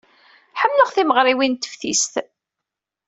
Ḥemmleɣ timeɣriwin n teftist.